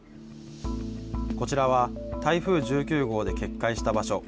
こちらは台風１９号で決壊した場所。